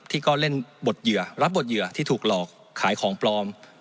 ที่ก็เล่นบทเหยื่อรับบทเหยื่อที่ถูกหลอกขายของปลอม